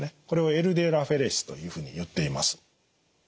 これをＬＤＬアフェレシスというふうにいっています。